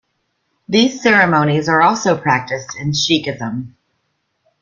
These ceremonies are also practiced in Sikhism.